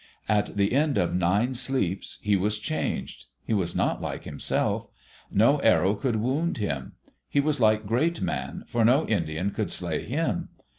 At the end of nine sleeps he was changed. He was not like himself. No arrow could wound him. He was like Great Man for no Indian could slay him.